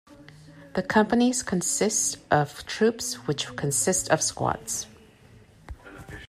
The companies consists of troops which consist of squads.